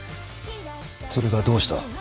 それがどうした？